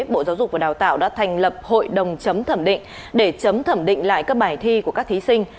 bộ giáo dục và đào tạo đã thành lập hội đồng chấm thẩm định để chấm thẩm định lại các bài thi của các thí sinh